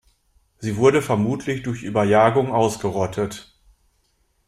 Sie wurde vermutlich durch Überjagung ausgerottet.